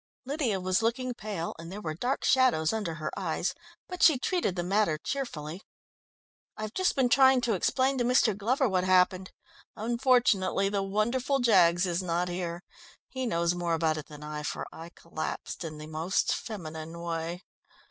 Lydia was looking pale, and there were dark shadows under her eyes, but she treated the matter cheerfully. "I've just been trying to explain to Mr. Glover what happened. Unfortunately, the wonderful Jaggs is not here. He knows more about it than I, for I collapsed in the most feminine way."